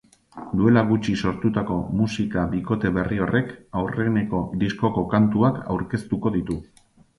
Duela gutxi sortutako musika-bikote berri horrek, aurreneko diskoko kantuak aurkeztuko ditu.